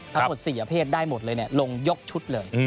ทั้งหมด๔ประเภทได้หมดเลยลงยกชุดเลย